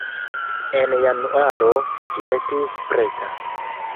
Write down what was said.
En januaro ĝi estis preta.